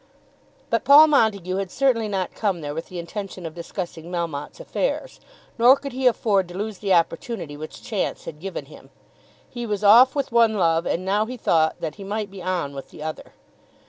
But Paul Montague had certainly not come there with the intention of discussing Melmotte's affairs, nor could he afford to lose the opportunity which chance had given him. He was off with one love, and now he thought that he might be on with the other.